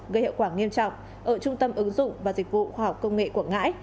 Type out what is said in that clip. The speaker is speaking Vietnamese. gây hiệu quả nghiêm trọng ở trung tâm ứng dụng và dịch vụ khoa học công nghệ quảng ngãi